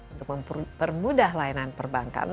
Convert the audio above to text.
untuk mempermudah layanan perbankan